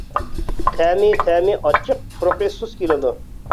تەمى تەمى ئاچچىق، پۇرىقى سۇس كېلىدۇ.